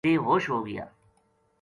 بے ہوش ہوگیا